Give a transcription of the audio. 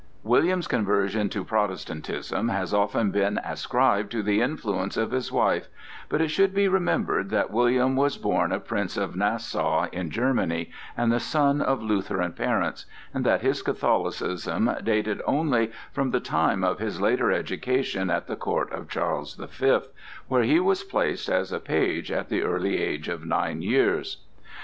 William's conversion to Protestantism has been often ascribed to the influence of his wife, but it should be remembered that William was born a prince of Nassau in Germany and the son of Lutheran parents, and that his Catholicism dated only from the time of his later education at the court of Charles the Fifth, where he was placed as a page at the early age of nine years.